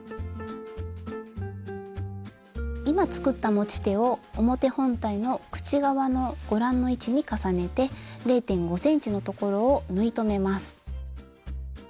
今作った持ち手を表本体の口側のご覧の位置に重ねて０．５ｃｍのところを縫い留めます。